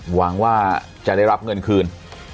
หวังว่าจะได้รับเงินคืน